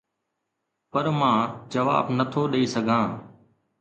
پر مان جواب نه ٿو ڏئي سگهان.